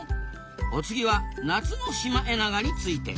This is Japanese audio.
お次は夏のシマエナガについて。